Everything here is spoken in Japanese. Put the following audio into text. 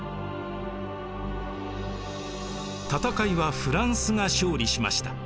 戦いはフランスが勝利しました。